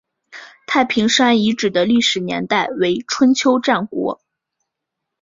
大坪山遗址的历史年代为春秋战国。